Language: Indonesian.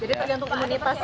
jadi tergantung imunitas ya